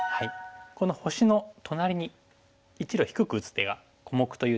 この星の隣に１路低く打つ手が「小目」という手なんですけども。